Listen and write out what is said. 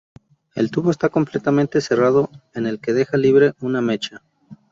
El tubo está completamente cerrado en el que deja libre una mecha.